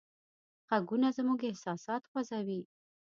غږونه زموږ احساسات خوځوي.